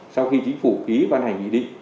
sau khi chính phủ ký ban hành nghị định